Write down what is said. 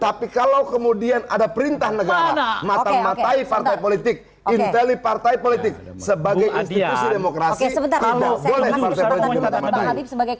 tapi kalau kemudian ada perintah negara matang matai partai politik inteli partai politik sebagai institusi demokrasi tidak boleh partai politik dengan matanya